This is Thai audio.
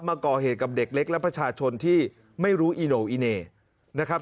มาก่อเหตุกับเด็กเล็กและประชาชนที่ไม่รู้อิโนอิเนย